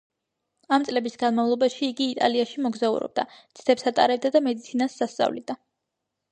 ამ წლების განმავლობაში იგი იტალიაში მოგზაურობდა, ცდებს ატარებდა და მედიცინას ასწავლიდა.